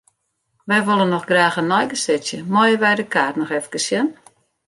Wy wolle noch graach in neigesetsje, meie wy de kaart noch efkes sjen?